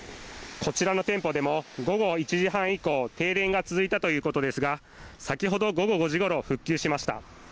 こちらの店舗でも午後１時半以降、停電が続いたということですが先ほど午後５時ごろ復旧しました。